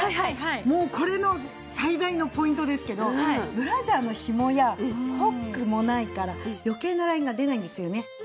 もうこれの最大のポイントですけどブラジャーのひもやホックもないから余計なラインが出ないんですよね。